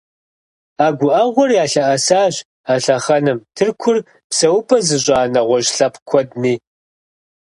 А гуӀэгъуэр ялъэӀэсащ а лъэхъэнэм Тыркур псэупӀэ зыщӀа нэгъуэщӀ лъэпкъ куэдми.